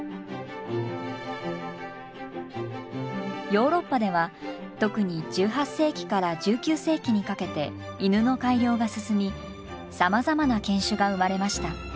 ヨーロッパでは特に１８世紀から１９世紀にかけて犬の改良が進みさまざまな犬種が生まれました。